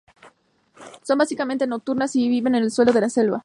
Son básicamente nocturnas y viven en el suelo de la selva.